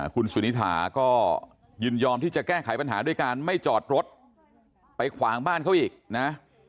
คุณสุนิถาก็ยินยอมที่จะแก้ไขปัญหาด้วยการไม่จอดรถไปขวางบ้านเขาอีกนะ